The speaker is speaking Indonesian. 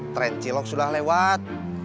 tren cilok sudah lewat